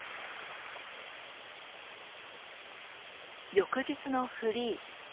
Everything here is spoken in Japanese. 翌日のフリー。